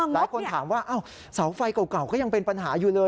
หลายคนถามว่าเสาไฟเก่าก็ยังเป็นปัญหาอยู่เลย